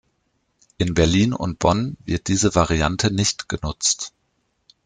In Berlin und Bonn wird diese Variante nicht genutzt.